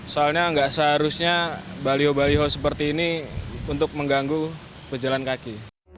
soalnya nggak seharusnya baliho baliho seperti ini untuk mengganggu pejalan kaki